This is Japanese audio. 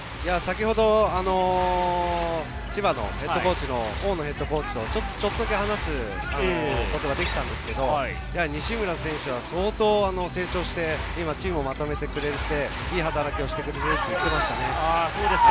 先ほど千葉の大野ヘッドコーチ、ちょっとだけ話すことができたんですけど、西村選手は相当成長して、チームをまとめて、いい働きをしてくれていると話していましたね。